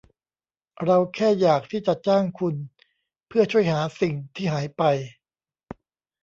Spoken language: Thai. เราแค่อยากที่จะจ้างคุณเพื่อช่วยหาสิ่งที่หายไป